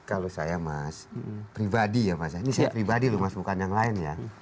kalau saya mas pribadi ya mas ini saya pribadi loh mas bukan yang lain ya